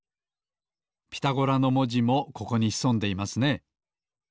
「ピタゴラ」のもじもここにひそんでいますね。